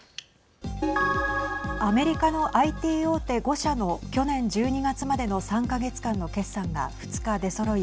アメリカのＩＴ大手５社の去年１２月までの３か月間の決算が２日出そろい